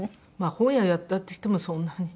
本屋やったっていってもそんなに。